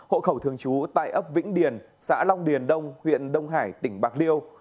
hộ khẩu thường trú tại ấp vĩnh điền xã long điền đông huyện đông hải tỉnh bạc liêu